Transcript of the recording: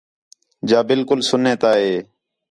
جا بالکل سُنّے تا ہِے